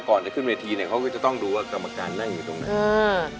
ก่อนจะขึ้นเมธีเขาก็จะต้องรู้ว่ากรรมการนั่งอยู่ตรงนั้น